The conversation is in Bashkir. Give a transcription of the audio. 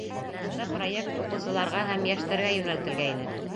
Башта проект уҡыусыларға һәм йәштәргә йүнәлтелгәйне.